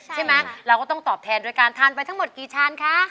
ใช่ไหมเราก็ต้องตอบแทนโดยการทานไปทั้งหมดกี่จานคะ